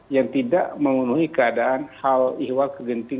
yang tidak memenuhi keadaan hal ihwal kegentingan